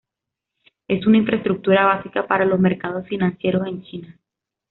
Es una infraestructura básica para los mercados financieros en China.